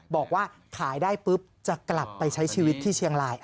บอกว่าขายได้ปุ๊บจะกลับไปใช้ชีวิตที่เชียงราย